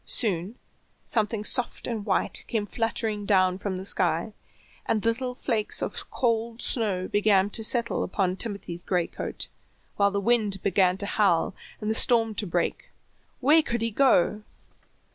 Soon something soft and white came fluttering down from the sky, and little flakes of cold snow began to settle upon Timothy's gray coat, while the wind began to howl, and the storm to break. Where could he go?